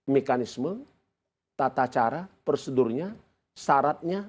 mekanisme tata cara prosedurnya syaratnya